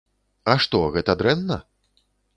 А што, гэта дрэнна?